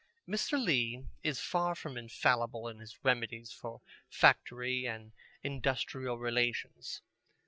Mr. Lee is far from infallible in his remedies for factory and industrial relations.